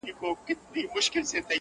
جهاني دا چي بلیږي یوه هم نه پاته کیږي!!